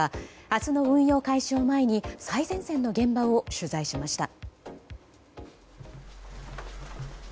明日の運用開始を前に最前線の現場を取材しました。